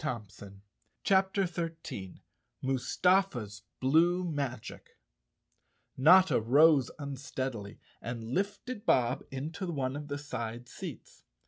171 CHAPTER 13 Mustafa's Blue Magic N OTTA rose unsteadily and lifted Bob into one of the side seats.